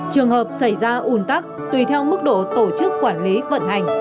trường hợp xảy ra ủn tắc tùy theo mức độ tổ chức quản lý vận hành